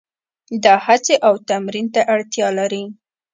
دا هڅې او تمرین ته اړتیا لري.